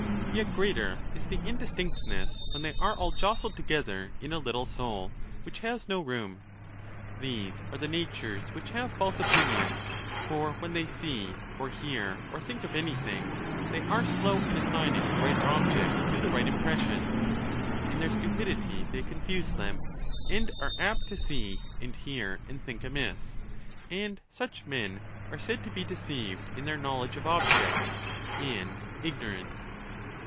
Yet greater is the indistinctness when they are all jostled together in a little soul, which has no room. These are the natures which have false opinion ; for when they see or hear or think of anything, they are slow in assigning the right objects to the right impressions — in their stupidity they confuse them, and are apt to see and hear and think amiss — and such men are said to be deceived in their knowledge of objects, and ignorant.